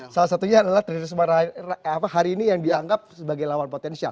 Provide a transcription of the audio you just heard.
salah satunya adalah tririsma hari ini yang dianggap sebagai lawan potensial